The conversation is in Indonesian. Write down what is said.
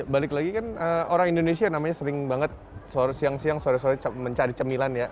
balik lagi kan orang indonesia namanya sering banget siang siang sore sore mencari cemilan ya